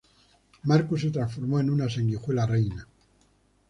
Marcus se transformó en una sanguijuela reina.